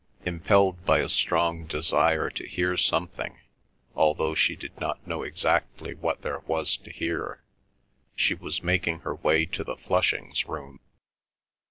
Impelled by a strong desire to hear something, although she did not know exactly what there was to hear, she was making her way to the Flushings' room.